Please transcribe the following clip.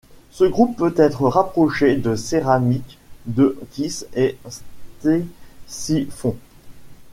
Ce groupe peut être rapproché de céramiques de Kish et Ctésiphon.